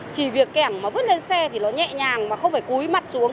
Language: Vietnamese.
chỉ việc kẻm mà vứt lên xe thì nó nhẹ nhàng mà không phải cúi mặt xuống